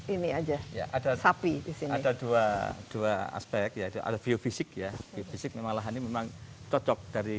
ini aja ada sapi disini ada dua puluh dua aspek yaitu alfie fisik ya fisik memang lahannya memang cocok dari